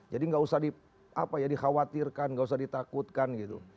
jadi gak usah dikhawatirkan gak usah ditakutkan gitu